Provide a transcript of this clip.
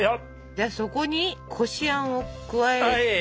じゃあそこにこしあんを加えて。